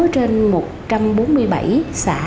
bốn mươi sáu trên một trăm bốn mươi bảy xã